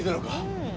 うん。